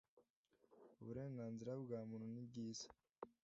uburenganzira bwa muntu nibwiza.